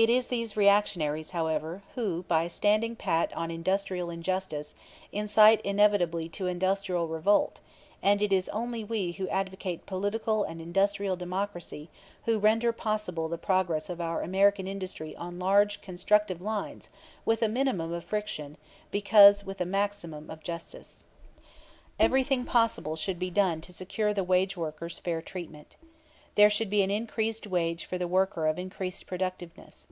It is these reactionaries, however, who, by "standing pat" on industrial injustice, incite inevitably to industrial revolt, and it is only we who advocate political and industrial democracy who render possible the progress of our American industry on large constructive lines with a minimum of friction because with a maximum of justice. Everything possible should be done to secure the wage workers fair treatment. There should be an increased wage for the worker of increased productiveness.